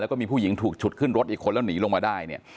แล้วก็มีผู้หญิงถูกฉุดขึ้นรถอีกคนแล้วหนีลงมาได้เนี่ย